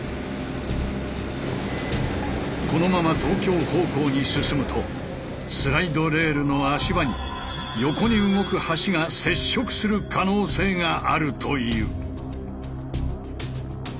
このまま東京方向に進むとスライドレールの足場に横に動く橋が接触する可能性があるという。